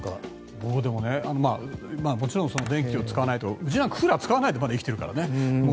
僕もちろん電気を使わないうちなんかはクーラー使わないでまだ生きているからね。